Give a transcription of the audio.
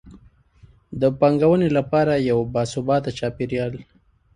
د پانګونې لپاره یو باثباته چاپیریال.